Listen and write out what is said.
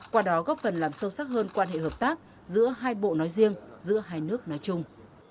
qua đó góp phần làm sâu sắc hơn quan hệ hợp tác giữa hai bộ nói riêng giữa hai nước nói chung